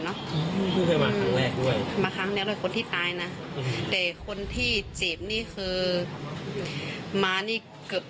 มาครั้งนี้เว้ยวันนี้เราจะพูดที่ตายนะเพราะคนที่เจ็บนี่คือมานี่เกือบ